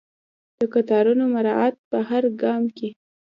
د قطارونو مراعات په هر ګام کې.